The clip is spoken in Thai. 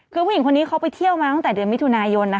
คือผู้หญิงคนนี้เขาไปเที่ยวมาตั้งแต่เดือนมิถุนายน